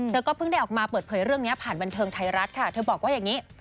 เธอก็เพิ่งได้ออกมาเปิดเผยเรื่องนี้ผ่านบันเทิงไทยรัฐค่ะเธอบอกว่าอย่างนี้